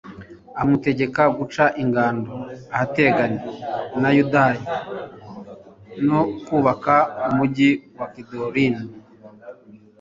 amutegeka guca ingando ahateganye na yudeya no kubaka umugi wa kedironi